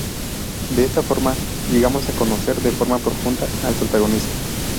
De esta forma, llegamos a conocer de forma profunda al protagonista.